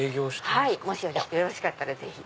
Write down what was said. はいよろしかったらぜひ。